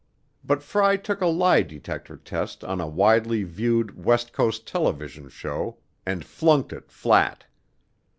But Fry took a lie detector test on a widely viewed West Coast television show and flunked it flat.